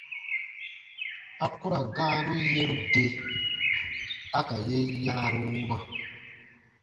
A ku ra gãanun yeru de a ka yen yãaru wuma.